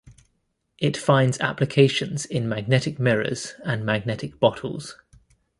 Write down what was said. It finds applications in magnetic mirrors and magnetic bottles.